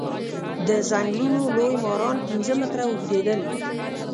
د ځنګلونو لوی ماران پنځه متره اوږديدل.